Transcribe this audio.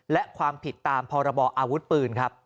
และความผิดตามพรบออาวุธปืนครับ